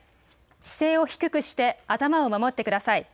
姿勢を低くして頭を守ってください。